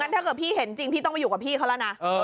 ถ้าเกิดพี่เห็นจริงพี่ต้องไปอยู่กับพี่เขาแล้วนะ